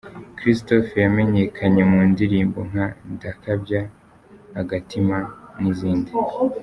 Christopher yamenyekanye mu ndirimbo nka ‘Ndakabya’, ‘Agatima’ n’izindi.